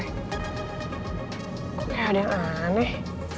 kok kayak ada yang aneh